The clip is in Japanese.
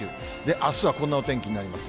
あすはこんなお天気になります。